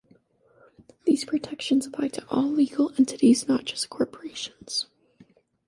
These protections apply to all legal entities, not just corporations.